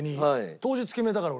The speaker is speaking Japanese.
当日決めたから俺。